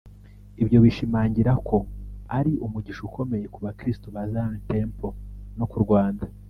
Ibyo bishimangira ko ari umugisha ukomeye ku bakristo ba Zion Temple no ku Rwanda